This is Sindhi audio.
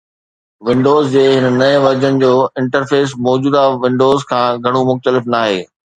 ونڊوز جي هن نئين ورجن جو انٽرفيس موجوده ونڊوز کان گهڻو مختلف ناهي